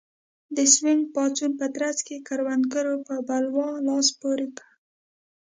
د سوینګ پاڅون په ترڅ کې کروندګرو په بلوا لاس پورې کړ.